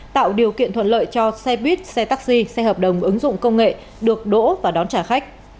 tạo điều kiện thuận lợi cho xe buýt xe taxi xe hợp đồng ứng dụng công nghệ được đỗ và đón trả khách